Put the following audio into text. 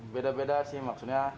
beda beda sih maksudnya